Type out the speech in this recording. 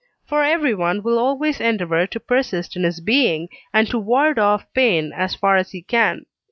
For everyone will always endeavour to persist in his being, and to ward off pain as far as he can.